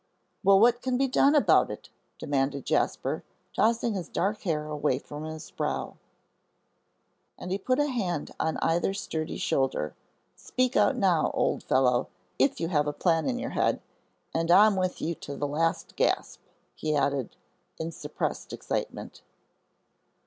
"Well, what can be done about it?" demanded Jasper tossing his dark hair away from his brow. And he put a hand on either sturdy shoulder; "Speak out, now, old fellow, if you've a plan in your head, and I'm with you to the last gasp," he added, in suppressed excitement.